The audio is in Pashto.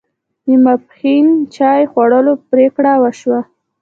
د ماپښین چای خوړلو پرېکړه وشوه.